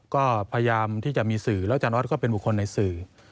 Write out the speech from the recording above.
ก็พยายามที่จะมีสื่อแล้วอาจารย์ออสก็เป็นบุคคลในสื่อ